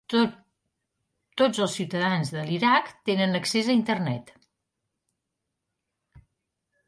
Tots els ciutadans de l'Iraq tenen accés a Internet